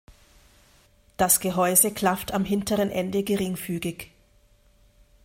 Das Gehäuse klafft am hinteren Ende geringfügig.